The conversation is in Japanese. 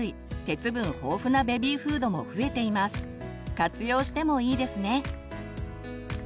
活用してもいいですね。